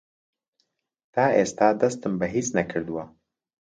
تا ئێستا دەستم بە هیچ نەکردووە.